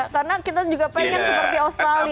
karena kita juga pengen seperti australia nih